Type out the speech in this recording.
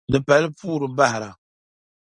Di pali puuri bahira.